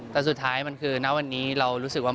แต่สุดท้ายมันคือณวันนี้เรารู้สึกว่า